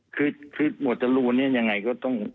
คือโหมดโทจรูนอย่างไรก็ต้อง